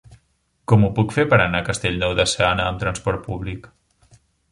Com ho puc fer per anar a Castellnou de Seana amb trasport públic?